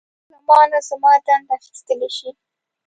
یو څوک له مانه زما دنده اخیستلی شي.